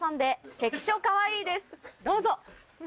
どうぞ！